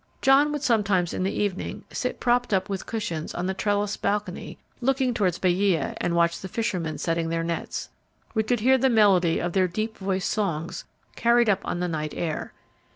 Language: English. John would sometimes in the evening sit propped up with cushions on the trellised balcony looking towards Baia, and watch the fishermen setting their nets. We could hear the melody of their deep voiced songs carried up on the night air.